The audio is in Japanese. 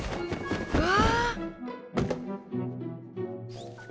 うわ！